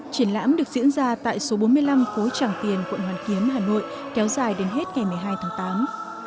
triển lãm được diễn ra tại số bốn mươi năm phố tràng tiền quận hoàn kiếm hà nội kéo dài đến hết ngày một mươi hai tháng tám